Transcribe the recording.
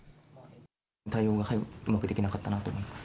対応がうまくできなかったなと思います。